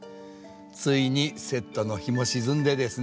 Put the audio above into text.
ついにセットの日も沈んでですね